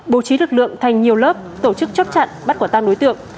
bố trí lực lượng thành nhiều lớp tổ chức chốt chặn bắt quả tăng đối tượng